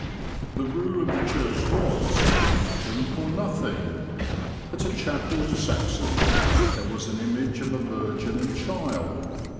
"The rule of the Church was, nothing for nothing. At a chapel in Saxony there was an image of a Virgin and Child.